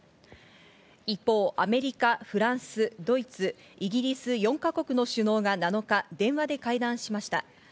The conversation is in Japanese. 一方、アメリカ、フランス、ドイツ、イギリス、４か国の首脳が７日、電話で会談しました。